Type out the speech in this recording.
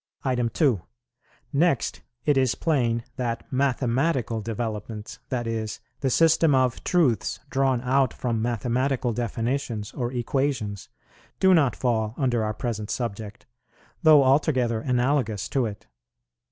2. Next, it is plain that mathematical developments, that is, the system of truths drawn out from mathematical definitions or equations, do not fall under our present subject, though altogether analogous to it.